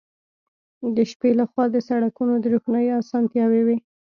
د شپې له خوا د سړکونو د روښنايي اسانتیاوې وې